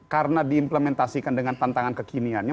karena diimplementasikan dengan tantangan kekiniannya